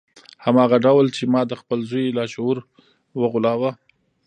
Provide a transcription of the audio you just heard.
هماغه ډول چې ما د خپل زوی لاشعور وغولاوه